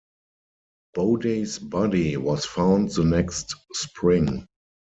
Bodey's body was found the next spring.